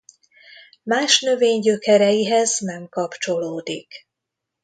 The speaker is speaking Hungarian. Más növény gyökereihez nem kapcsolódik.